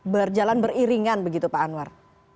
berjalan beriringan begitu pak anwar